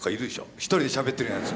一人でしゃべってるようなやつ。